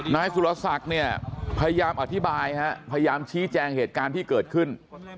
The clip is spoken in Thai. นายสุรศักดิ์เนี่ยพยายามอธิบายฮะพยายามชี้แจงเหตุการณ์ที่เกิดขึ้น